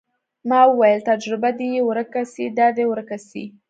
ما وويل تجربه دې يې ورکه سي دا دې ورکه سي.